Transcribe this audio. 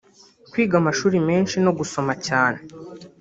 kwiga amashuri menshi no gusoma cyane